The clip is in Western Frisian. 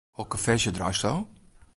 Hokker ferzje draaisto?